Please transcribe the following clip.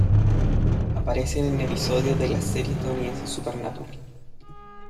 Aparece en un episodio de la serie estadounidense Supernatural.